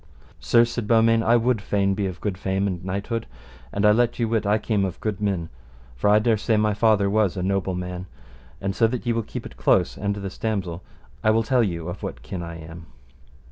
Sir, said Beaumains, I would fain be of good fame and of knighthood. And I let you wit I came of good men, for I dare say my father was a noble man, and so that ye will keep it in close, and this damosel, I will tell you of what kin I am.